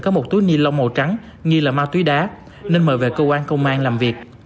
có một túi ni lông màu trắng nghi là ma túy đá nên mời về cơ quan công an làm việc